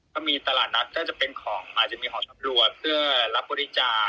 ก็มีตลาดนัดก็จะเป็นของอาจจะมีหอสำรวจเพื่อรับบริจาค